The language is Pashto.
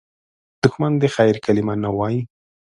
دښمن د خیر کلمه نه وايي